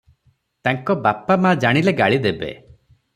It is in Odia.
ତାଙ୍କ ବାପା ମା ଜାଣିଲେ ଗାଳି ଦେବେ ।